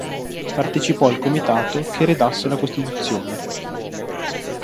Partecipò al Comitato che redasse la Costituzione.